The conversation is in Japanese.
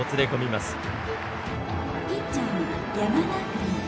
「ピッチャー山田君」。